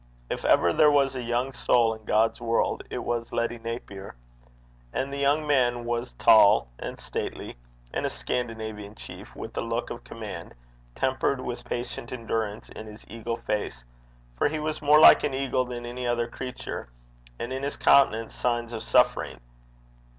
If ever there was a young soul in God's world, it was Letty Napier. And the young man was tall and stately as a Scandinavian chief, with a look of command, tempered with patient endurance, in his eagle face, for he was more like an eagle than any other creature, and in his countenance signs of suffering.